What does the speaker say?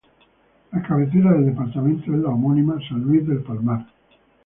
La cabecera del departamento es la homónima San Luis del Palmar.